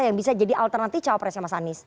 yang bisa jadi alternatif cawapresnya mas anies